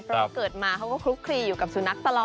เพราะว่าเกิดมาเขาก็คลุกคลีอยู่กับสุนัขตลอด